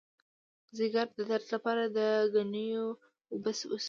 د ځیګر د درد لپاره د ګنیو اوبه وڅښئ